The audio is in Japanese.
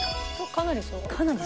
かなりそう。